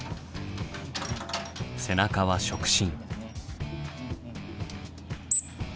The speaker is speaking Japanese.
背中は触診。